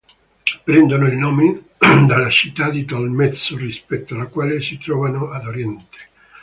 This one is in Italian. Prendono il nome dalla città di Tolmezzo rispetto alla quale si trovano ad oriente.